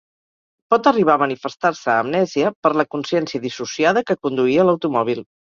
Pot arribar a manifestar-se amnèsia per la consciència dissociada que conduïa l'automòbil.